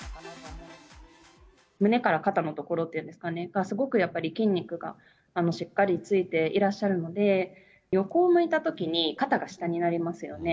胸から肩の所っていうんですかね、が、すごくやっぱり、筋肉がしっかりついていらっしゃるので、横を向いたときに肩が下になりますよね。